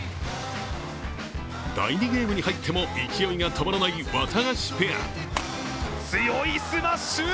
第２ゲームに入っても、勢いが止まらないワタガシペア。